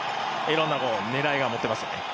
いろんな狙いが見えますね。